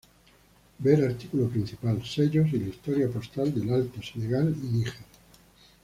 Ver artículo principal, sellos y la historia postal de Alto Senegal y Níger.